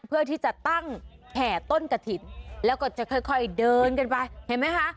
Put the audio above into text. เพื่อที่จะตั้งแห่ต้นกะถิ่นแล้วก็จะค่อยเดินกันไปเห็นไหมคะ